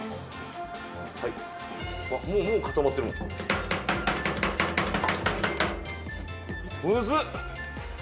はいもう固まってるもんどう？